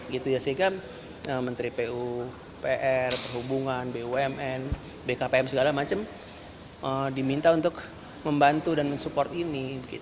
sehingga menteri pupr perhubungan bumn bkpm segala macam diminta untuk membantu dan mensupport ini